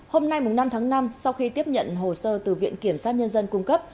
hôm nay năm tháng năm sau khi tiếp nhận hồ sơ từ viện kiểm sát nhân dân cung cấp